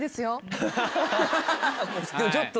でもちょっと。